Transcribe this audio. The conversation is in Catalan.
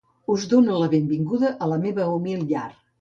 Us dono la benvinguda a la meva humil llar.